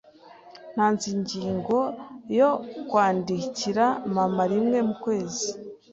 Ntanze ingingo yo kwandikira mama rimwe mu kwezi.